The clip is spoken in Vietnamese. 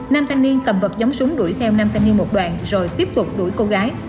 nam thanh niên cầm vật giống súng đuổi theo năm thanh niên một đoàn rồi tiếp tục đuổi cô gái